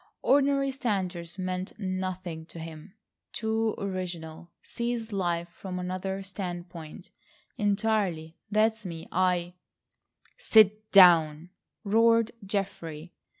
Ordinary standards meant nothing to him—too original—sees life from another standpoint, entirely. That's me! I—" "Sit down," roared Geoffrey.